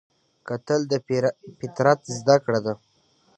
کتل د فطرت زده کړه ده